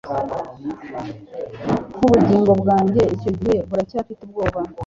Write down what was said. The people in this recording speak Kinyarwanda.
nkubugingo bwanjye icyo gihe buracyafite ubwoba